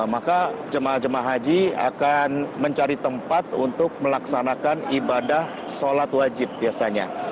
maka jemaah jemaah haji akan mencari tempat untuk melaksanakan ibadah sholat wajib biasanya